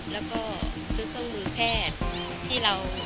แล้วก็ซื้อเครื่องมือแพทย์